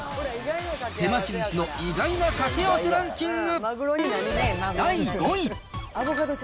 手巻きずしの意外な掛け合わせランキング。